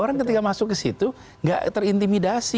orang ketika masuk ke situ nggak terintimidasi